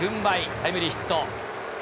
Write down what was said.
タイムリーヒット。